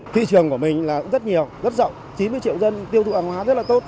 thị trường của mình là rất nhiều rất rộng chín mươi triệu dân tiêu thụ hàng hóa rất là tốt